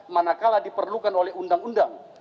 manakala diperlukan oleh undang undang